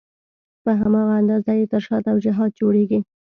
په هماغه اندازه یې تر شا توجیهات جوړېږي.